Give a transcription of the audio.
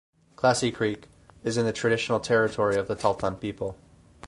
Classy Creek is in the traditional territory of the Tahltan people.